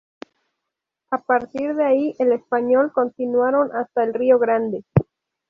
A partir de ahí el español continuaron hasta el río Grande.